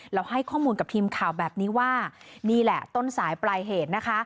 แล้วให้ข้อมูลกับทีมข่าวแบบนี้ว่านี่แหละต้นสายปลายเหตุนะคะ